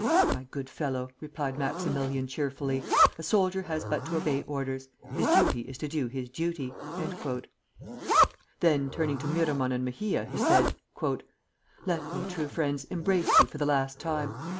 "My good fellow," replied Maximilian, cheerfully, "a soldier has but to obey orders; his duty is to do his duty." Then, turning to Miramon and Mejia, he said: "Let me, true friends, embrace you for the last time!"